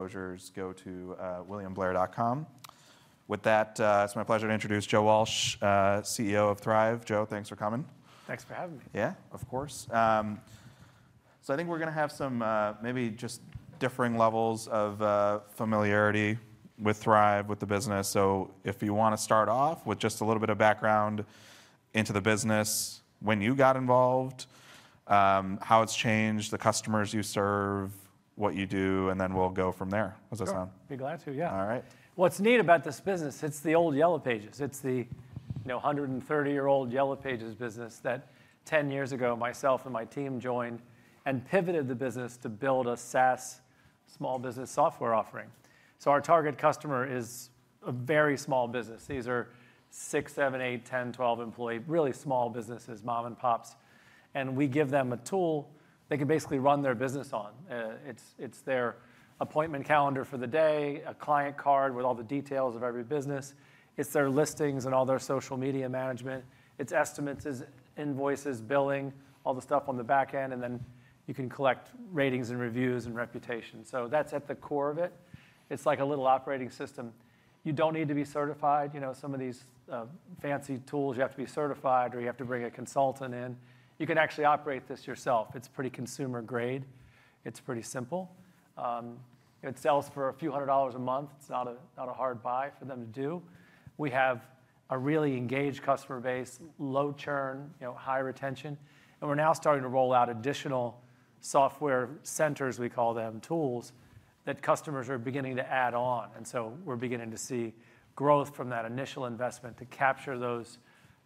Disclosures, go to williamblair.com. With that, it's my pleasure to introduce Joe Walsh, CEO of Thryv. Joe, thanks for coming. Thanks for having me. Yeah, of course. So I think we're gonna have some maybe just differing levels of familiarity with Thryv, with the business. So if you wanna start off with just a little bit of background into the business, when you got involved, how it's changed the customers you serve, what you do, and then we'll go from there. How does that sound? Sure. Be glad to. Yeah. All right. What's neat about this business, it's the old Yellow Pages. It's the, you know, 130-year-old Yellow Pages business that 10 years ago, myself and my team joined and pivoted the business to build a SaaS small business software offering. So our target customer is a very small business. These are 6, 7, 8, 10, 12 employee, really small businesses, mom-and-pops, and we give them a tool they can basically run their business on. It's their appointment calendar for the day, a client card with all the details of every business. It's their listings and all their social media management. It's estimates, invoices, billing, all the stuff on the back end, and then you can collect ratings and reviews and reputation. So that's at the core of it. It's like a little operating system. You don't need to be certified. You know, some of these fancy tools, you have to be certified, or you have to bring a consultant in. You can actually operate this yourself. It's pretty consumer grade. It's pretty simple. It sells for a few hundred a month. It's not a, not a hard buy for them to do. We have a really engaged customer base, low churn, you know, high retention, and we're now starting to roll out additional software centers, we call them, tools, that customers are beginning to add on, and so we're beginning to see growth from that initial investment to capture those,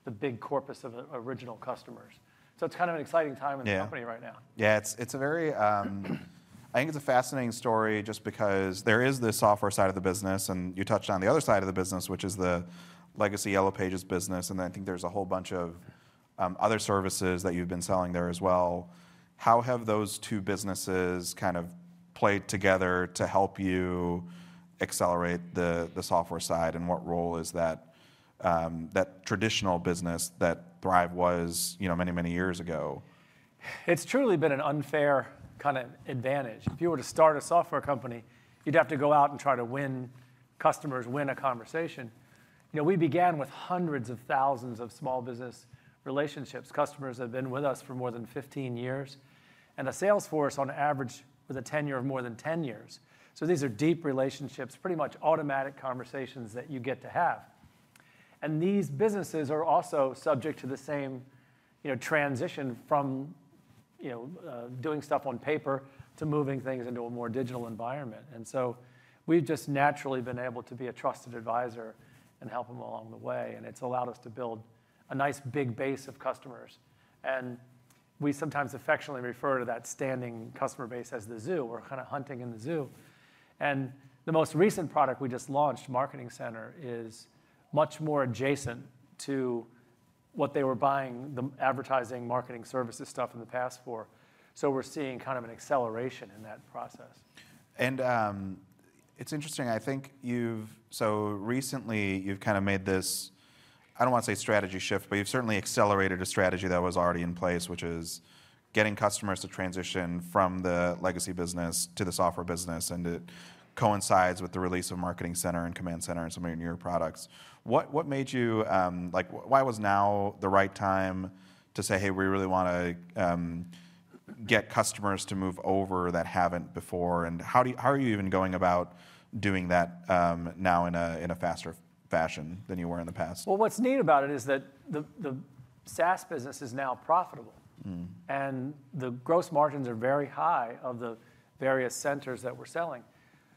the big corpus of original customers. So it's kind of an exciting time- Yeah... in the company right now. Yeah, it's, it's a very-- I think it's a fascinating story, just because there is the software side of the business, and you touched on the other side of the business, which is the legacy Yellow Pages business, and I think there's a whole bunch of, other services that you've been selling there as well. How have those two businesses kind of played together to help you accelerate the, the software side, and what role is that, that traditional business that Thryv was, you know, many, many years ago? It's truly been an unfair kind of advantage. If you were to start a software company, you'd have to go out and try to win customers, win a conversation. You know, we began with hundreds of thousands of small business relationships. Customers that have been with us for more than 15 years, and a sales force on average with a tenure of more than 10 years. So these are deep relationships, pretty much automatic conversations that you get to have. And these businesses are also subject to the same, you know, transition from, you know, doing stuff on paper to moving things into a more digital environment. And so we've just naturally been able to be a trusted advisor and help them along the way, and it's allowed us to build a nice big base of customers. We sometimes affectionately refer to that standing customer base as the zoo. We're kind of hunting in the zoo. The most recent product we just launched, Marketing Center, is much more adjacent to what they were buying, the advertising, marketing services stuff in the past for. We're seeing kind of an acceleration in that process. It's interesting, I think you've recently kind of made this, I don't want to say strategy shift, but you've certainly accelerated a strategy that was already in place, which is getting customers to transition from the legacy business to the software business, and it coincides with the release of Marketing Center and Command Center and some of your newer products. What made you... Like, why was now the right time to say: "Hey, we really wanna get customers to move over that haven't before?" And how are you even going about doing that now in a faster fashion than you were in the past? Well, what's neat about it is that the SaaS business is now profitable. Mm. The gross margins are very high of the various centers that we're selling.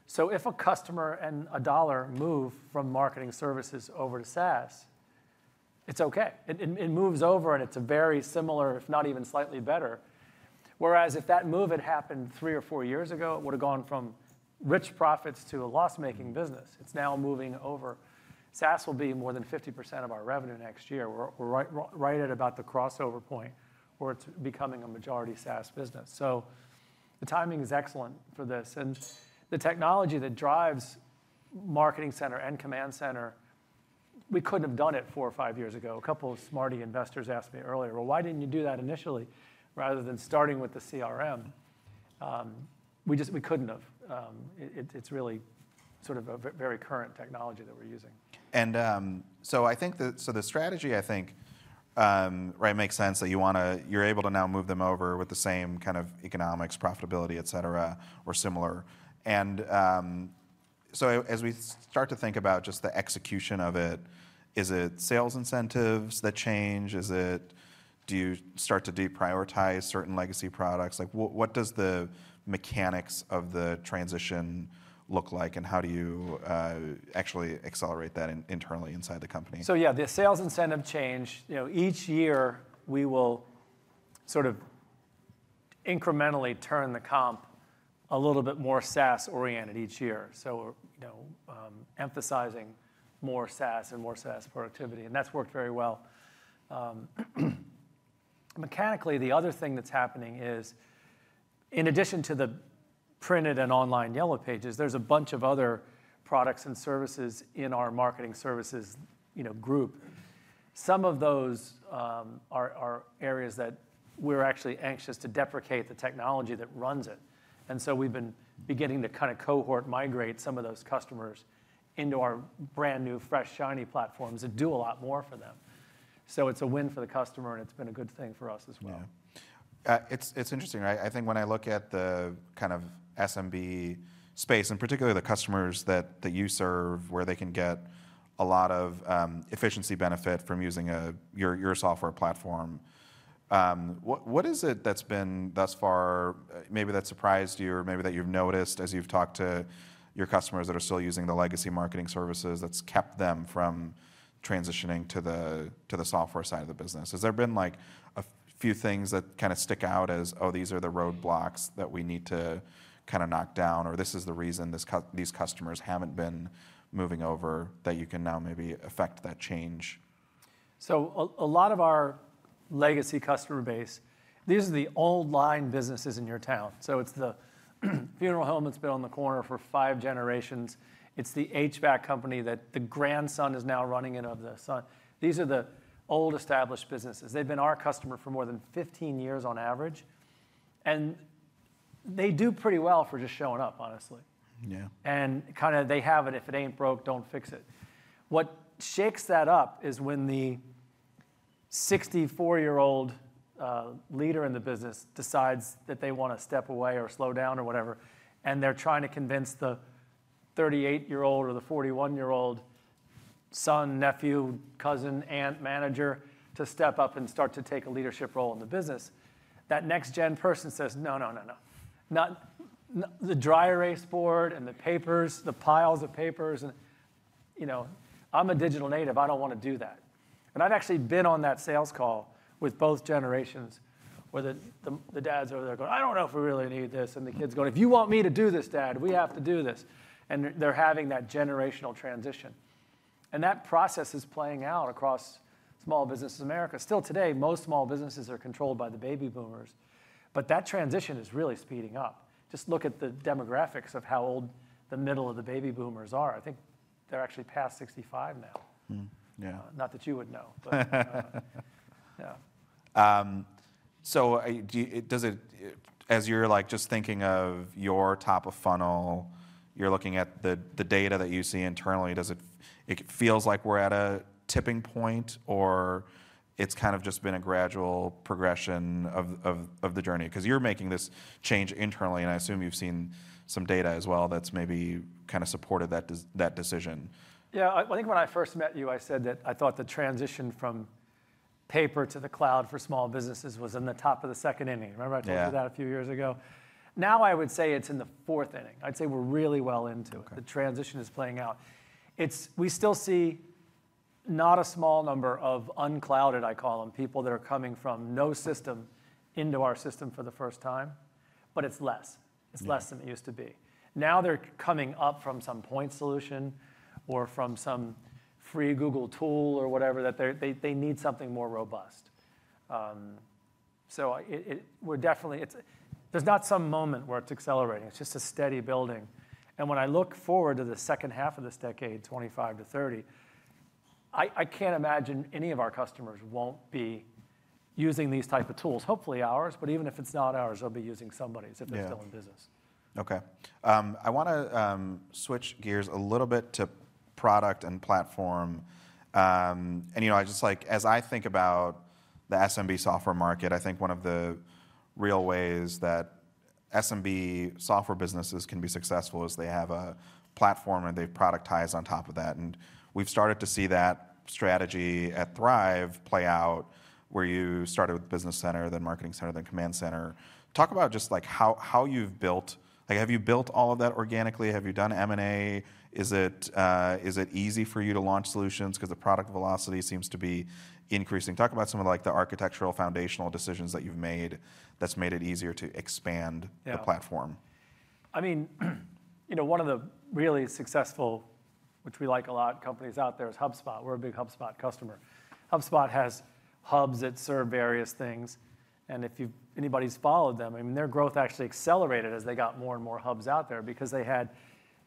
So if a customer and a dollar move from marketing services over to SaaS, it's okay. It moves over, and it's very similar, if not even slightly better. Whereas if that move had happened 3 or 4 years ago, it would have gone from rich profits to a loss-making business. It's now moving over. SaaS will be more than 50% of our revenue next year. We're right at about the crossover point, where it's becoming a majority SaaS business. So the timing is excellent for this, and the technology that drives Marketing Center and Command Center, we couldn't have done it 4 or 5 years ago. A couple of smarty investors asked me earlier: "Well, why didn't you do that initially, rather than starting with the CRM?" We just, we couldn't have. It's really sort of a very current technology that we're using. So I think the strategy, I think, right, makes sense, that you wanna you're able to now move them over with the same kind of economics, profitability, et cetera, or similar. As we start to think about just the execution of it, is it sales incentives that change? Is it? Do you start to deprioritize certain legacy products? Like, what, what does the mechanics of the transition look like, and how do you actually accelerate that internally inside the company? So yeah, the sales incentive change, you know, each year we will sort of incrementally turn the comp a little bit more SaaS-oriented each year. So, you know, emphasizing more SaaS and more SaaS productivity, and that's worked very well. Mechanically, the other thing that's happening is, in addition to the printed and online Yellow Pages, there's a bunch of other products and services in our marketing services, you know, group... some of those are areas that we're actually anxious to deprecate the technology that runs it. And so we've been beginning to kind of cohort migrate some of those customers into our brand-new, fresh, shiny platforms that do a lot more for them. So it's a win for the customer, and it's been a good thing for us as well. Yeah. It's, it's interesting, right? I think when I look at the kind of SMB space, and particularly the customers that, that you serve, where they can get a lot of, efficiency benefit from using, your, your software platform, what, what is it that's been thus far, maybe that surprised you or maybe that you've noticed as you've talked to your customers that are still using the legacy marketing services, that's kept them from transitioning to the, to the software side of the business? Has there been, like, a few things that kind of stick out as, "Oh, these are the roadblocks that we need to kind of knock down," or, "This is the reason these customers haven't been moving over," that you can now maybe affect that change? So a lot of our legacy customer base, these are the old line businesses in your town. So it's the funeral home that's been on the corner for five generations. It's the HVAC company that the grandson is now running it of the son. These are the old established businesses. They've been our customer for more than 15 years on average, and they do pretty well for just showing up, honestly. Yeah. Kind of they have it, "If it ain't broke, don't fix it." What shakes that up is when the 64-year-old leader in the business decides that they want to step away or slow down or whatever, and they're trying to convince the 38-year-old or the 41-year-old son, nephew, cousin, aunt, manager to step up and start to take a leadership role in the business. That next gen person says, "No, no, no, no. the dry erase board and the papers, the piles of papers, and, you know, I'm a digital native, I don't want to do that." And I've actually been on that sales call with both generations, where the dads are there going: "I don't know if we really need this," and the kid's going: "If you want me to do this, Dad, we have to do this." And they're having that generational transition. And that process is playing out across small businesses in America. Still today, most small businesses are controlled by the Baby Boomers, but that transition is really speeding up. Just look at the demographics of how old the middle of the Baby Boomers are. I think they're actually past 65 now. Mm-hmm. Yeah. Not that you would know, but yeah. So, does it, as you're like just thinking of your top of funnel, you're looking at the data that you see internally, does it feel like we're at a tipping point, or it's kind of just been a gradual progression of the journey? 'Cause you're making this change internally, and I assume you've seen some data as well that's maybe kind of supported that decision. Yeah, I, I think when I first met you, I said that I thought the transition from paper to the cloud for small businesses was in the top of the second inning. Remember, I told you that- Yeah... a few years ago? Now I would say it's in the fourth inning. I'd say we're really well into it. Okay. The transition is playing out. It's we still see not a small number of unclouded, I call them, people that are coming from no system into our system for the first time, but it's less. Yeah. It's less than it used to be. Now they're coming up from some point solution or from some free Google tool or whatever, that they need something more robust. So we're definitely, it's. There's not some moment where it's accelerating, it's just a steady building. And when I look forward to the second half of this decade, 2025 to 2030, I can't imagine any of our customers won't be using these type of tools. Hopefully, ours, but even if it's not ours, they'll be using somebody's- Yeah... if they're still in business. Okay. I want to switch gears a little bit to product and platform. And, you know, I just, like, as I think about the SMB software market, I think one of the real ways that SMB software businesses can be successful is they have a platform and they've productized on top of that. And we've started to see that strategy at Thryv play out, where you started with Business Center, then Marketing Center, then Command Center. Talk about just, like, how you've built-- Like, have you built all of that organically? Have you done M&A? Is it easy for you to launch solutions? 'Cause the product velocity seems to be increasing. Talk about some of, like, the architectural foundational decisions that you've made, that's made it easier to expand- Yeah... the platform. I mean, you know, one of the really successful, which we like a lot, companies out there is HubSpot. We're a big HubSpot customer. HubSpot has hubs that serve various things, and if anybody's followed them, I mean, their growth actually accelerated as they got more and more hubs out there because they had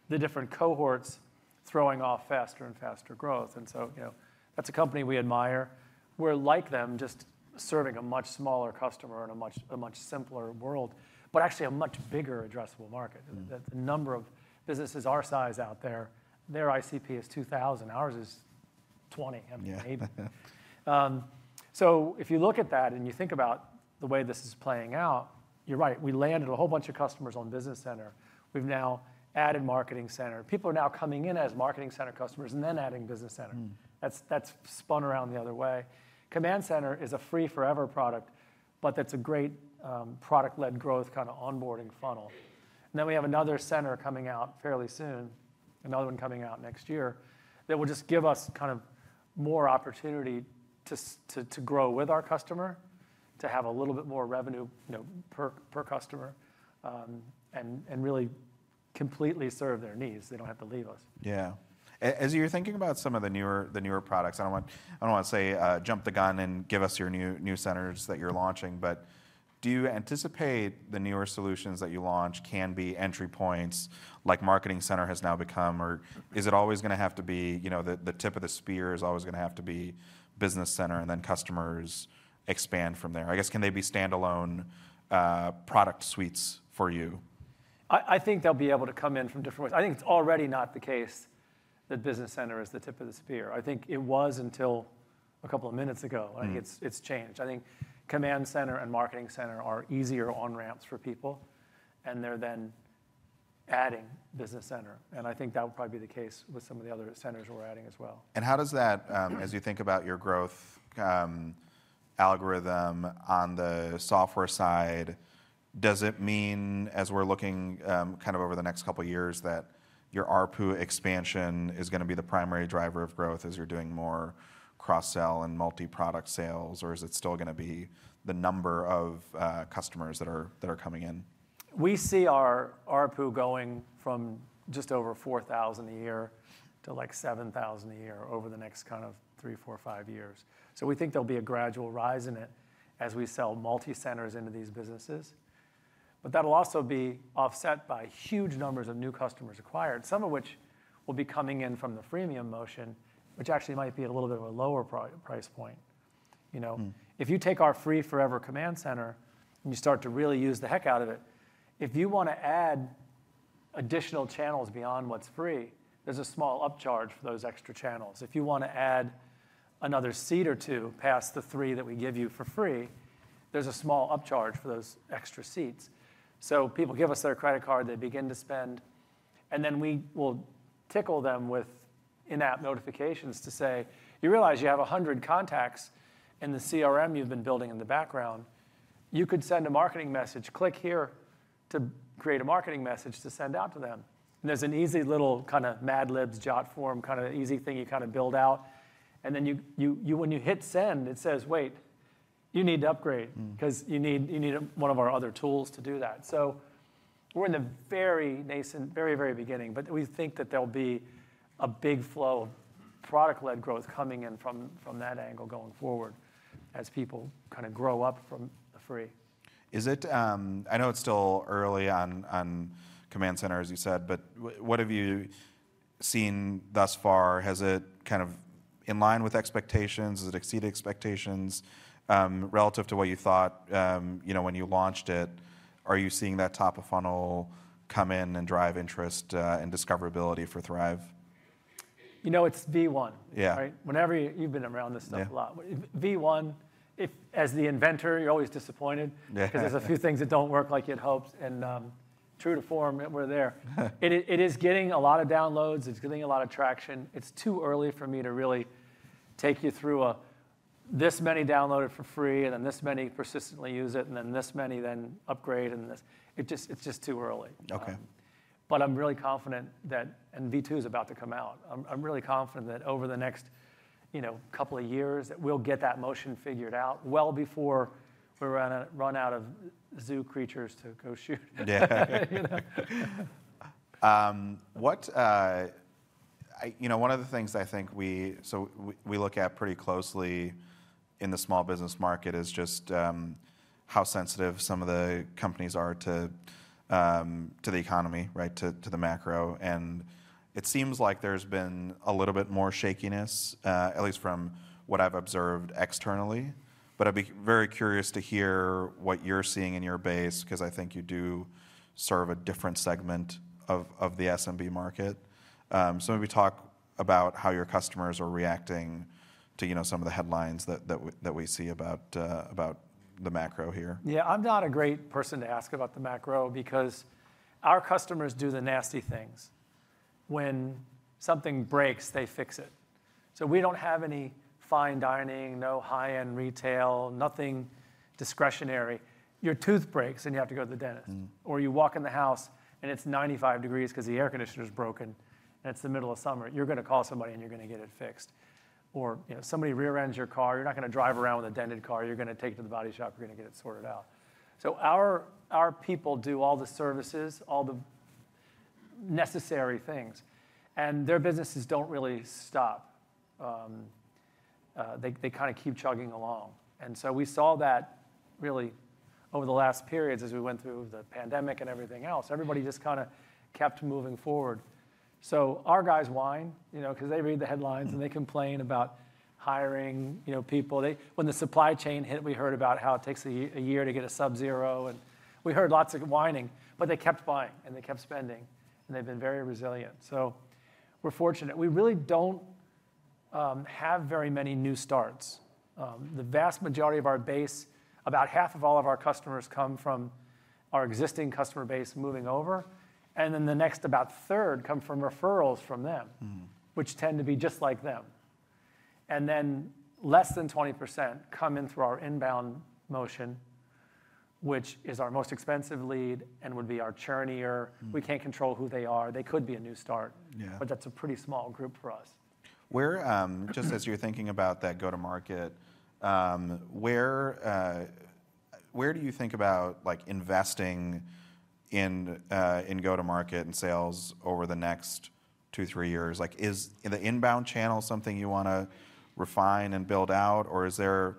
the different cohorts throwing off faster and faster growth. And so, you know, that's a company we admire. We're like them, just serving a much smaller customer and a much, a much simpler world, but actually a much bigger addressable market. Mm. The number of businesses our size out there, their ICP is 2,000, ours is 20. Yeah. Maybe. So if you look at that and you think about the way this is playing out, you're right, we landed a whole bunch of customers on Business Center. We've now added Marketing Center. People are now coming in as Marketing Center customers and then adding Business Center. Mm. That's spun around the other way. Command Center is a free forever product, but that's a great product-led growth kind of onboarding funnel. Then we have another center coming out fairly soon, another one coming out next year, that will just give us kind of more opportunity to to grow with our customer, to have a little bit more revenue, you know, per customer, and completely serve their needs. They don't have to leave us. Yeah. As you're thinking about some of the newer, the newer products, I don't want, I don't wanna say jump the gun and give us your new, new centers that you're launching, but do you anticipate the newer solutions that you launch can be entry points like Marketing Center has now become? Or is it always gonna have to be, you know, the tip of the spear is always gonna have to be Business Center, and then customers expand from there. I guess, can they be standalone product suites for you? I think they'll be able to come in from different ways. I think it's already not the case that Business Center is the tip of the spear. I think it was until a couple of minutes ago- Mm. Like it's changed. I think Command Center and Marketing Center are easier on-ramps for people, and they're then adding Business Center, and I think that will probably be the case with some of the other centers we're adding as well. How does that? Mm... as you think about your growth algorithm on the software side, does it mean as we're looking kind of over the next couple of years, that your ARPU expansion is gonna be the primary driver of growth as you're doing more cross-sell and multi-product sales? Or is it still gonna be the number of customers that are coming in? We see our ARPU going from just over $4,000 a year to, like, $7,000 a year over the next kind of 3, 4, 5 years. So we think there'll be a gradual rise in it as we sell multi-centers into these businesses. But that'll also be offset by huge numbers of new customers acquired, some of which will be coming in from the freemium motion, which actually might be a little bit of a lower price point, you know? Mm. If you take our free forever Command Center, and you start to really use the heck out of it, if you wanna add additional channels beyond what's free, there's a small upcharge for those extra channels. If you wanna add another seat or two past the 3 that we give you for free, there's a small upcharge for those extra seats. So people give us their credit card, they begin to spend, and then we will tickle them with in-app notifications to say, "You realize you have 100 contacts in the CRM you've been building in the background. You could send a marketing message. Click here to create a marketing message to send out to them." And there's an easy little kind of Mad Libs Jotform, kind of easy thing you kind of build out, and then you, when you hit Send, it says, "Wait, you need to upgrade- Mm. Because you need one of our other tools to do that. So we're in the very nascent, very, very beginning, but we think that there'll be a big flow of product-led growth coming in from that angle going forward as people kind of grow up from the free. Is it? I know it's still early on Command Center, as you said, but what have you seen thus far? Has it kind of in line with expectations, has it exceeded expectations, relative to what you thought, you know, when you launched it? Are you seeing that top of funnel come in and drive interest and discoverability for Thryv? You know, it's V1- Yeah. Right? Whenever you've been around this stuff a lot. Yeah. V1, as the inventor, you're always disappointed- Yeah, -because there's a few things that don't work like you'd hoped, and, true to form, we're there. It is, it is getting a lot of downloads, it's getting a lot of traction. It's too early for me to really take you through a, "This many downloaded for free, and then this many persistently use it, and then this many then upgrade, and this..." It just, it's just too early. Okay. I'm really confident that... V2 is about to come out. I'm really confident that over the next, you know, couple of years, that we'll get that motion figured out well before we run out, run out of zoo creatures to go shoot. Yeah. What, you know, one of the things I think we look at pretty closely in the small business market is just how sensitive some of the companies are to to the economy, right? To the macro. And it seems like there's been a little bit more shakiness at least from what I've observed externally, but I'd be very curious to hear what you're seeing in your base, 'cause I think you do serve a different segment of the SMB market. So maybe talk about how your customers are reacting to, you know, some of the headlines that we see about the macro here. Yeah, I'm not a great person to ask about the macro because our customers do the nasty things. When something breaks, they fix it. So we don't have any fine dining, no high-end retail, nothing discretionary. Your tooth breaks, and you have to go to the dentist. Mm. Or you walk in the house, and it's 95 degrees 'cause the air conditioner's broken, and it's the middle of summer. You're gonna call somebody, and you're gonna get it fixed. Or, you know, somebody rear-ends your car, you're not gonna drive around with a dented car. You're gonna take it to the body shop, you're gonna get it sorted out. So our people do all the services, all the necessary things, and their businesses don't really stop. They kind of keep chugging along. And so we saw that really over the last periods as we went through the pandemic and everything else, everybody just kind of kept moving forward. So our guys whine, you know, 'cause they read the headlines- Mm... and they complain about hiring, you know, people. When the supply chain hit, we heard about how it takes a year to get a Sub-Zero, and we heard lots of whining, but they kept buying, and they kept spending, and they've been very resilient. So we're fortunate. We really don't have very many new starts. The vast majority of our base, about half of all of our customers come from our existing customer base moving over, and then the next about a third come from referrals from them- Mm... which tend to be just like them. And then less than 20% come in through our inbound motion, which is our most expensive lead and would be our churnier. Mm. We can't control who they are. They could be a new start. Yeah. But that's a pretty small group for us. Just as you're thinking about that go-to-market, where do you think about, like, investing in go-to-market and sales over the next 2-3 years? Like, is the inbound channel something you want to refine and build out, or is there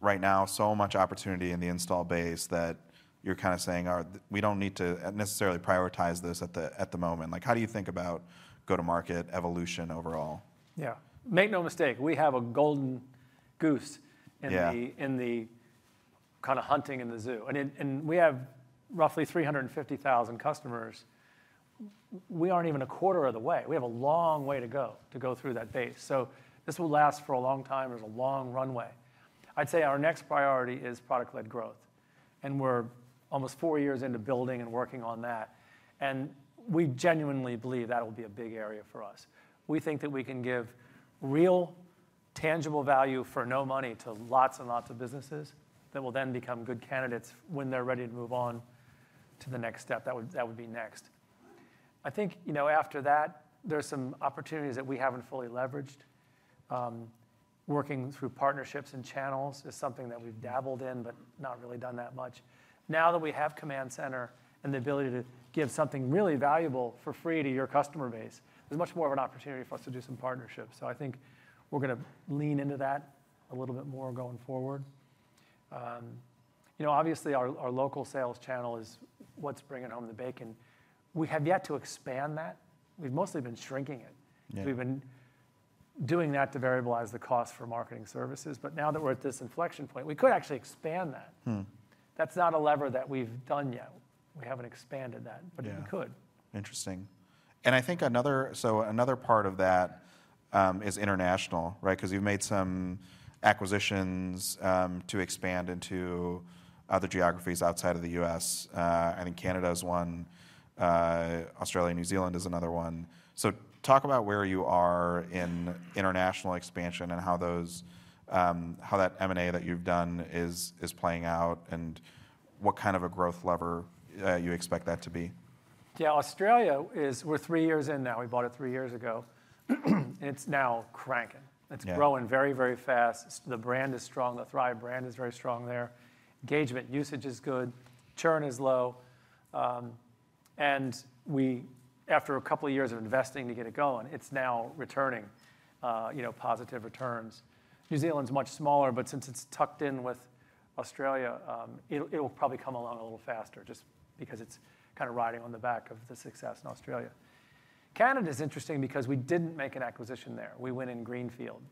right now so much opportunity in the install base that you're kind of saying, "Oh, we don't need to necessarily prioritize this at the moment?" Like, how do you think about go-to-market evolution overall? Yeah. Make no mistake, we have a golden goose- Yeah... in the kind of hunting in the zoo. And we have roughly 350,000 customers. We aren't even a quarter of the way. We have a long way to go through that base, so this will last for a long time. There's a long runway. I'd say our next priority is product-led growth, and we're almost four years into building and working on that, and we genuinely believe that will be a big area for us. We think that we can give real, tangible value for no money to lots and lots of businesses, that will then become good candidates when they're ready to move on to the next step. That would be next. I think, you know, after that, there are some opportunities that we haven't fully leveraged. Working through partnerships and channels is something that we've dabbled in, but not really done that much. Now that we have Command Center and the ability to give something really valuable for free to your customer base, there's much more of an opportunity for us to do some partnerships. So I think we're gonna lean into that a little bit more going forward. You know, obviously, our local sales channel is what's bringing home the bacon. We have yet to expand that. We've mostly been shrinking it. Yeah. We've been doing that to variabilize the cost for marketing services, but now that we're at this inflection point, we could actually expand that. Hmm. That's not a lever that we've done yet. We haven't expanded that- Yeah... but we could. Interesting. So another part of that is international, right? 'Cause you've made some acquisitions to expand into other geographies outside of the U.S. I think Canada is one, Australia, New Zealand is another one. So talk about where you are in international expansion and how those, how that M&A that you've done is playing out, and what kind of a growth lever you expect that to be. Yeah, Australia is, we're three years in now. We bought it three years ago. It's now cranking. Yeah. It's growing very, very fast. The brand is strong. The Thryv brand is very strong there. Engagement usage is good, churn is low. And we, after a couple of years of investing to get it going, it's now returning, you know, positive returns. New Zealand is much smaller, but since it's tucked in with Australia, it'll, it will probably come along a little faster just because it's kind of riding on the back of the success in Australia. Canada is interesting because we didn't make an acquisition there. We went in greenfield,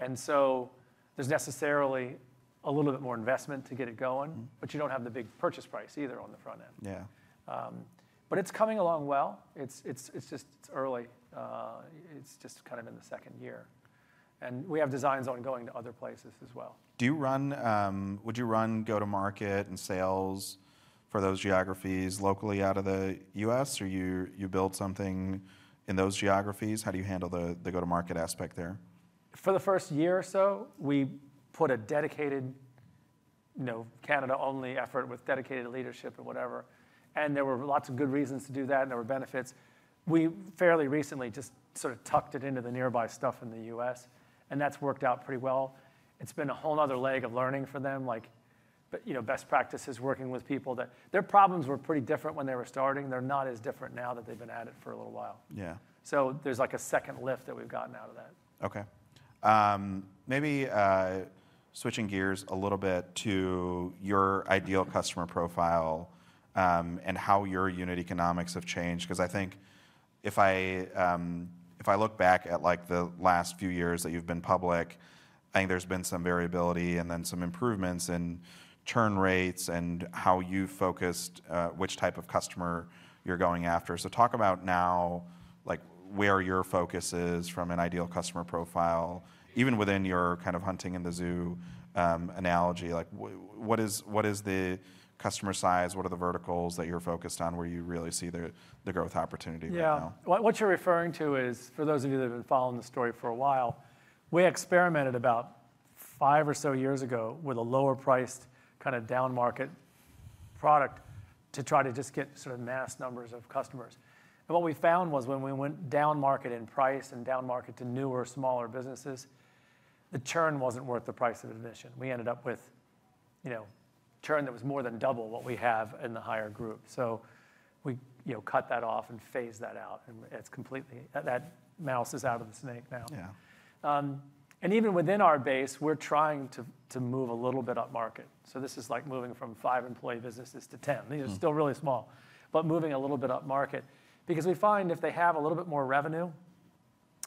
and so there's necessarily a little bit more investment to get it going- Mm... but you don't have the big purchase price either on the front end. Yeah. But it's coming along well. It's just early. It's just kind of in the second year, and we have designs on going to other places as well. Would you run go-to-market and sales for those geographies locally out of the U.S., or you build something in those geographies? How do you handle the go-to-market aspect there? For the first year or so, we put a dedicated, you know, Canada-only effort with dedicated leadership and whatever, and there were lots of good reasons to do that, and there were benefits. We fairly recently just sort of tucked it into the nearby stuff in the U.S., and that's worked out pretty well. It's been a whole another leg of learning for them, like, you know, best practices, working with people that. Their problems were pretty different when they were starting. They're not as different now that they've been at it for a little while. Yeah. There's, like, a second lift that we've gotten out of that. Okay. Maybe switching gears a little bit to your ideal customer profile, and how your unit economics have changed. 'Cause I think if I look back at, like, the last few years that you've been public, I think there's been some variability and then some improvements in churn rates and how you focused which type of customer you're going after. So talk about now, like, where your focus is from an ideal customer profile, even within your kind of hunting-in-the-zoo analogy. Like, what is the customer size? What are the verticals that you're focused on, where you really see the growth opportunity right now? Yeah. What, what you're referring to is, for those of you that have been following the story for a while, we experimented about five or so years ago with a lower priced kind of down-market product to try to just get sort of mass numbers of customers. And what we found was when we went downmarket in price and downmarket to newer, smaller businesses, the churn wasn't worth the price of admission. We ended up with, you know, churn that was more than double what we have in the higher group. So we, you know, cut that off and phased that out, and it's completely... that mouse is out of the snake now. Yeah. Even within our base, we're trying to move a little bit upmarket. So this is like moving from five-employee businesses to 10. Mm. You know, still really small, but moving a little bit upmarket. Because we find if they have a little bit more revenue,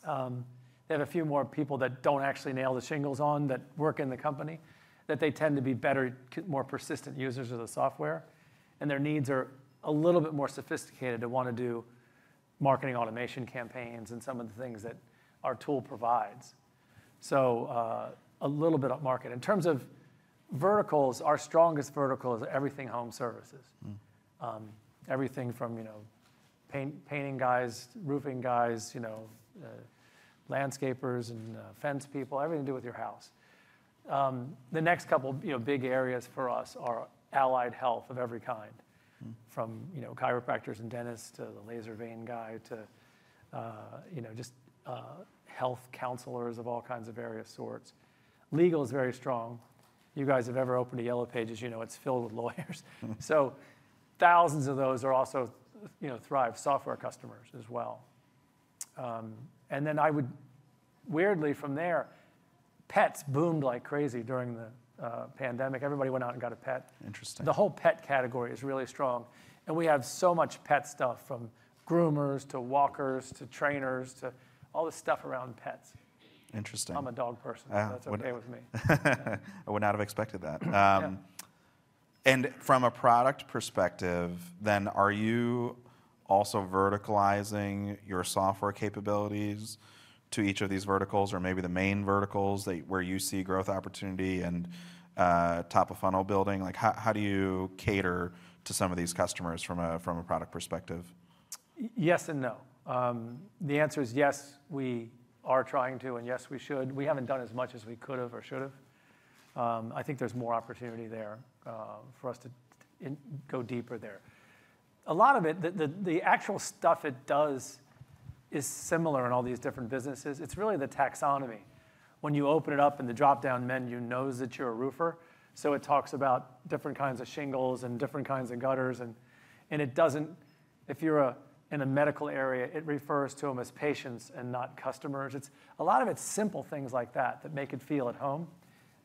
they have a few more people that don't actually nail the shingles on, that work in the company, that they tend to be better, more persistent users of the software, and their needs are a little bit more sophisticated. They want to do marketing automation campaigns and some of the things that our tool provides, so, a little bit upmarket. In terms of verticals, our strongest vertical is everything home services. Mm. Everything from, you know, painting guys, roofing guys, you know, landscapers and fence people, everything to do with your house. The next couple, you know, big areas for us are allied health of every kind- Mm... from, you know, chiropractors and dentists to the laser vein guy, you know, just health counselors of all kinds of various sorts. Legal is very strong. If you guys have ever opened a Yellow Pages, you know it's filled with lawyers. Mm. So thousands of those are also, you know, Thryv software customers as well. And then weirdly from there, pets boomed like crazy during the pandemic. Everybody went out and got a pet. Interesting. The whole pet category is really strong, and we have so much pet stuff, from groomers to walkers, to trainers, to all the stuff around pets. Interesting. I'm a dog person- Ah, well- That's okay with me. I would not have expected that. Yeah. From a product perspective, then, are you also verticalizing your software capabilities to each of these verticals, or maybe the main verticals that where you see growth opportunity and, top of funnel building? Like, how do you cater to some of these customers from a product perspective? Yes and no. The answer is yes, we are trying to, and yes, we should. We haven't done as much as we could have or should have. I think there's more opportunity there, for us to go deeper there. A lot of it, the actual stuff it does is similar in all these different businesses. It's really the taxonomy. When you open it up and the drop-down menu knows that you're a roofer, so it talks about different kinds of shingles and different kinds of gutters and it doesn't, if you're in a medical area, it refers to them as patients and not customers. It's a lot of it's simple things like that that make it feel at home.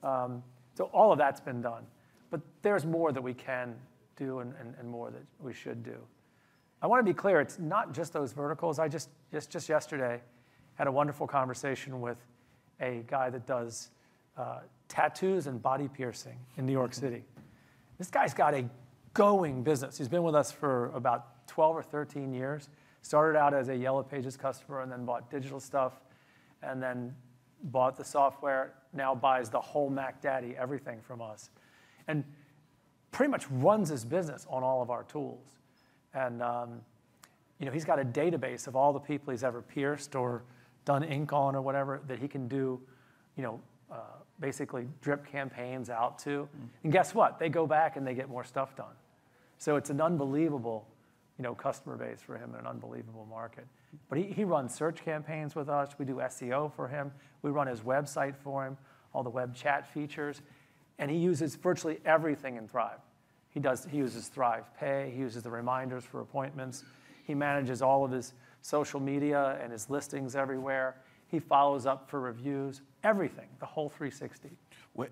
So all of that's been done, but there's more that we can do and more that we should do. I wanna be clear, it's not just those verticals. I just yesterday had a wonderful conversation with a guy that does tattoos and body piercing in New York City. This guy's got a going business. He's been with us for about 12 or 13 years. Started out as a Yellow Pages customer and then bought digital stuff, and then bought the software, now buys the whole mac daddy, everything from us. And you know, he's got a database of all the people he's ever pierced or done ink on or whatever, that he can do you know basically drip campaigns out to. Mm. And guess what? They go back and they get more stuff done. So it's an unbelievable, you know, customer base for him and an unbelievable market. But he runs search campaigns with us. We do SEO for him. We run his website for him, all the web chat features, and he uses virtually everything in Thryv. He does. He uses ThryvPay, he uses the reminders for appointments, he manages all of his social media and his listings everywhere. He follows up for reviews, everything, the whole 360.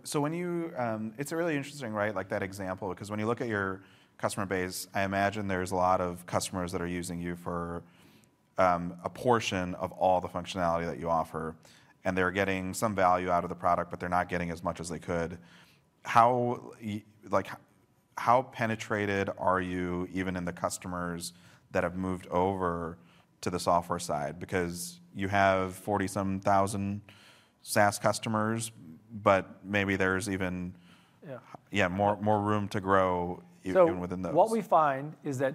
So when you... It's really interesting, right? Like that example, because when you look at your customer base, I imagine there's a lot of customers that are using you for a portion of all the functionality that you offer, and they're getting some value out of the product, but they're not getting as much as they could. How, like, how penetrated are you, even in the customers that have moved over to the software side? Because you have 40-some thousand SaaS customers, but maybe there's even- Yeah... yeah, more, more room to grow even within those. So what we find is that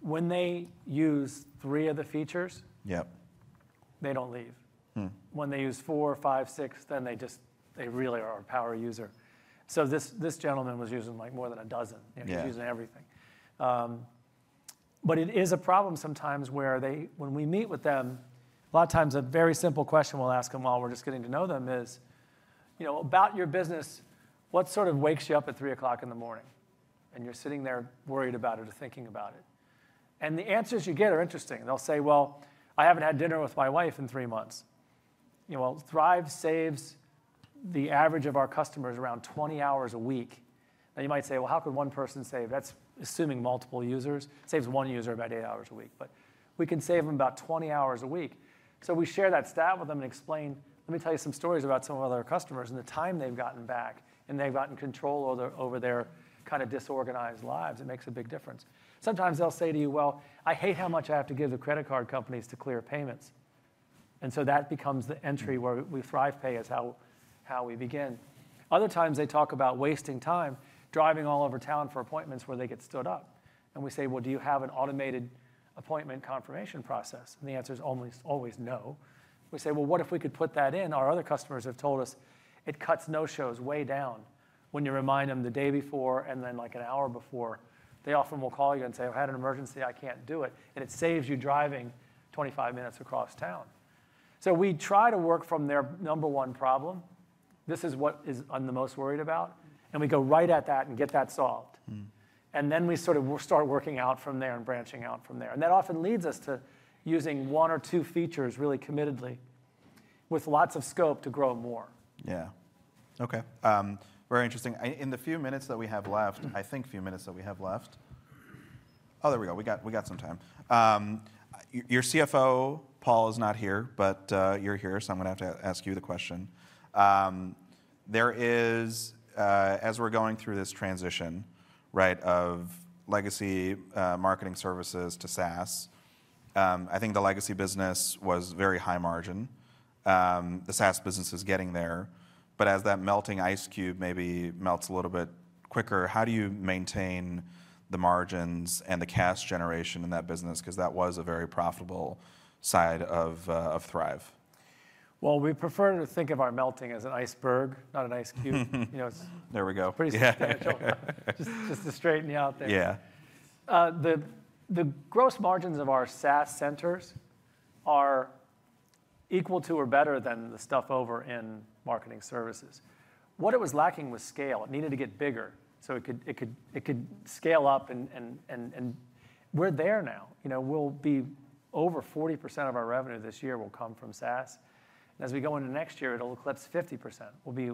when they use three of the features- Yep... they don't leave. Mm. When they use four, five, six, then they just, they really are a power user. So this gentleman was using, like, more than a dozen. Yeah. He was using everything. But it is a problem sometimes where they, when we meet with them, a lot of times a very simple question we'll ask them while we're just getting to know them is, "You know, about your business, what sort of wakes you up at 3:00 A.M., and you're sitting there worried about it or thinking about it?" The answers you get are interesting. They'll say, "Well, I haven't had dinner with my wife in three months." You know, well, Thryv saves the average of our customers around 20 hours a week. And you might say, "Well, how could one person save? That's assuming multiple users." Saves one user about eight hours a week, but we can save them about 20 hours a week. So we share that stat with them and explain: "Let me tell you some stories about some other customers and the time they've gotten back, and they've gotten control over their kind of disorganized lives. It makes a big difference." Sometimes they'll say to you, "Well, I hate how much I have to give the credit card companies to clear payments." And so that becomes the entry where we ThryvPay is how we begin. Other times, they talk about wasting time, driving all over town for appointments where they get stood up. And we say: Well, do you have an automated appointment confirmation process? And the answer is almost always no. We say, "Well, what if we could put that in? Our other customers have told us it cuts no-shows way down when you remind them the day before and then, like, an hour before. They often will call you and say, 'I had an emergency, I can't do it,' and it saves you driving 25 minutes across town." So we try to work from their number one problem. "This is what I'm the most worried about," and we go right at that and get that solved. Mm. And then we sort of start working out from there and branching out from there. And that often leads us to using one or two features really committedly, with lots of scope to grow more. Yeah. Okay, very interesting. In the few minutes that we have left... Oh, there we go. We got some time. Your CFO, Paul, is not here, but you're here, so I'm gonna have to ask you the question. There is, as we're going through this transition, right, of legacy marketing services to SaaS, I think the legacy business was very high margin. The SaaS business is getting there, but as that melting ice cube maybe melts a little bit quicker, how do you maintain the margins and the cash generation in that business? 'Cause that was a very profitable side of Thryv.... Well, we prefer to think of our melting as an iceberg, not an ice cube. There we go. You know, it's- Yeah. Pretty substantial. Just, just to straighten you out there. Yeah. The gross margins of our SaaS centers are equal to or better than the stuff over in marketing services. What it was lacking was scale. It needed to get bigger, so it could scale up and we're there now. You know, we'll be over 40% of our revenue this year will come from SaaS, and as we go into next year, it'll eclipse 50%. We'll be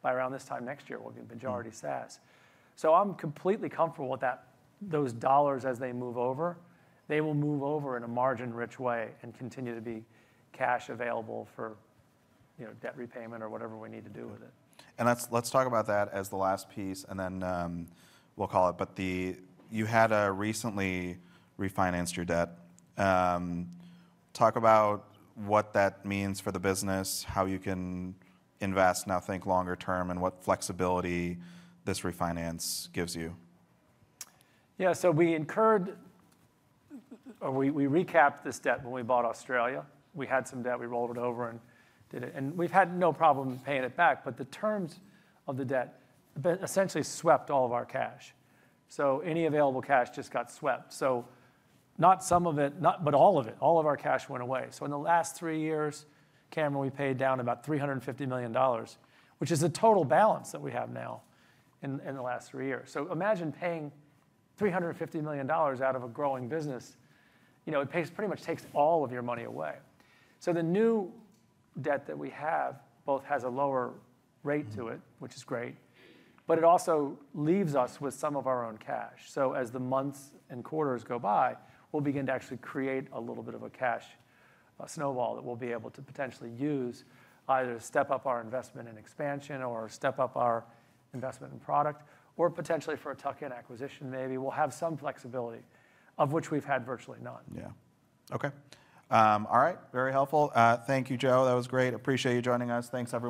by around this time next year, we'll be majority SaaS. So I'm completely comfortable with that, those dollars as they move over, they will move over in a margin-rich way and continue to be cash available for, you know, debt repayment or whatever we need to do with it. Let's talk about that as the last piece, and then we'll call it. You had recently refinanced your debt. Talk about what that means for the business, how you can invest now, think longer term, and what flexibility this refinance gives you. Yeah, so we incurred... Or we, we recapped this debt when we bought Australia. We had some debt, we rolled it over and did it, and we've had no problem paying it back, but the terms of the debt essentially swept all of our cash. So any available cash just got swept. So not some of it, not-- but all of it, all of our cash went away. So in the last three years, Cameron, we paid down about $350 million, which is the total balance that we have now in, in the last three years. So imagine paying $350 million out of a growing business, you know, it pays-- pretty much takes all of your money away. So the new debt that we have both has a lower rate to it- Mm. which is great, but it also leaves us with some of our own cash. So as the months and quarters go by, we'll begin to actually create a little bit of a cash, a snowball, that we'll be able to potentially use, either to step up our investment and expansion or step up our investment in product, or potentially for a tuck-in acquisition, maybe. We'll have some flexibility, of which we've had virtually none. Yeah. Okay. All right. Very helpful. Thank you, Joe. That was great. Appreciate you joining us. Thanks, everyone.